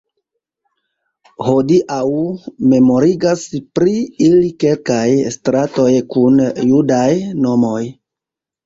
Hodiaŭ memorigas pri ili kelkaj stratoj kun judaj nomoj.